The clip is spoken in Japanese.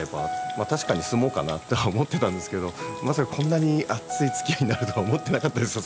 まあ確かに住もうかなとは思ってたんですけどまさかこんなに熱いつきあいになるとは思ってなかったですよ